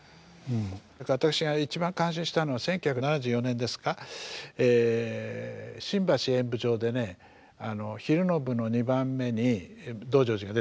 だから私が一番感心したのは１９７４年ですか新橋演舞場でね昼の部の２番目に「道成寺」が出たんです